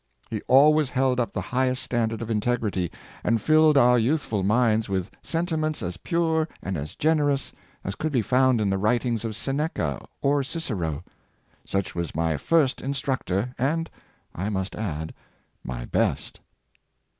He always held up the highest standard of integrity, and filled our youthful minds with senti ments as pure and as generous as could be found in the writings of Seneca or Cicero. Such was my first in structor and, I must add, my best.''